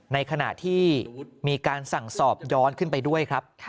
ในขณะที่มีการสั่งสอบย้อนขึ้นไปด้วยครับ